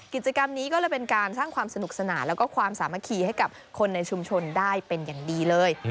กิจกรรมนี้ก็เลยเป็นการสร้างความสนุกสนานแล้วก็ความสามัคคีให้กับคนในชุมชนได้เป็นอย่างดีเลย